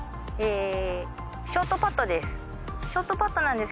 ショートパットです。